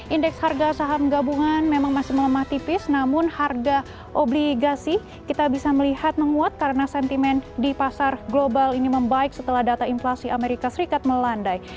indeks harga saham gabungan memang masih melemah tipis namun harga obligasi kita bisa melihat menguat karena sentimen di pasar global ini membaik setelah data inflasi amerika serikat melandai